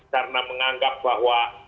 karena menganggap bahwa